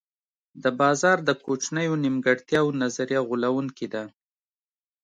د بازار د کوچنیو نیمګړتیاوو نظریه غولوونکې ده.